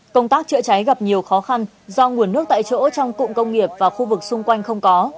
công tác chữa cháy gặp nhiều khó khăn do nguồn nước tại chỗ trong cụm công nghiệp và khu vực xung quanh không có